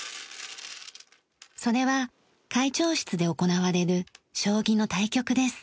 それは会長室で行われる将棋の対局です。